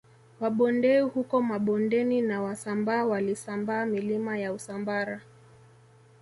Wabondei huko Mabondeni na Wasambaa walisambaa milima ya Usambara